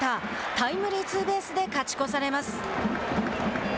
タイムリーツーベースで勝ち越されます。